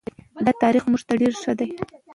دا تاریخ موږ ته ډېر څه ښيي.